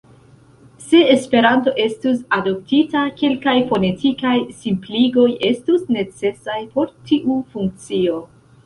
Se Esperanto estus adoptita, kelkaj fonetikaj simpligoj estus necesaj por tiu funkcio.